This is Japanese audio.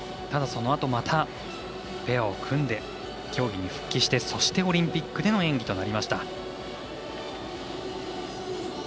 ただ、そのあとまたペアを組んで競技に復帰してそしてオリンピックでの演技となりました。